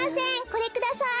これください。